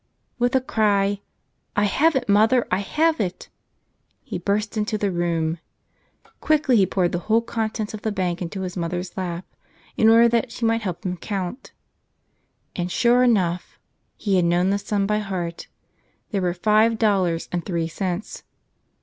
With a cry, "I have it, mother, I have it!" he burst into the room. Quickly he poured the whole contents of the 56 Where There's a Will There's a W ay bank into his mother's lap in order that she might help him count. And, sure enough ! he had known the sum by heart. There were five dollars and three cents.